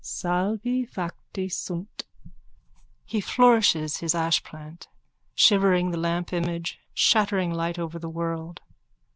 Salvi facti sunt._ _(He flourishes his ashplant, shivering the lamp image, shattering light over the world.